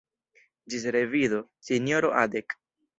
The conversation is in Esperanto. Ĝis revido, sinjoro Adek.